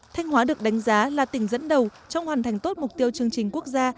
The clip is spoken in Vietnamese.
thanh hóa được đánh giá là tỉnh dẫn đầu trong hoàn thành tốt mục tiêu chương trình quốc gia